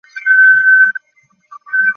আমাকে এক glass champagne দিন, প্লিজ।